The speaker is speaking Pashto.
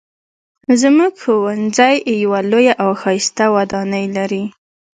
زموږ ښوونځی یوه لویه او ښایسته ودانۍ لري